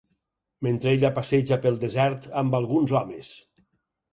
Mentre ella passeja pel desert amb alguns homes.